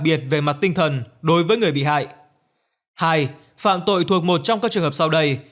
biệt về mặt tinh thần đối với người bị hại hai phạm tội thuộc một trong các trường hợp sau đây